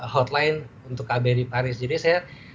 hotline untuk kbri paris jadi saya